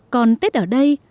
còn tết ở đây